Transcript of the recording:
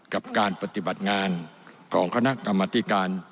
กับการปฏิบัติงานของคณะกรรมธิการ